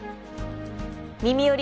「みみより！